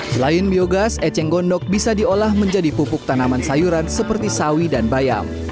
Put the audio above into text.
selain biogas eceng gondok bisa diolah menjadi pupuk tanaman sayuran seperti sawi dan bayam